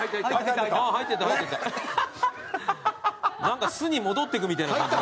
なんか巣に戻っていくみたいな感じ。